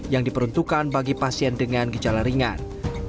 yang diperuntukkan bagi pasien dengan gejala ringan